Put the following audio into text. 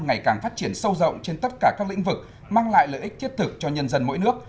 ngày càng phát triển sâu rộng trên tất cả các lĩnh vực mang lại lợi ích thiết thực cho nhân dân mỗi nước